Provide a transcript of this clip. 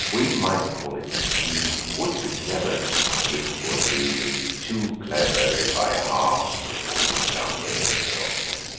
We might call it the Would be Clevers." "It would be the Too clever by half's before we'd done with it," said Oswald.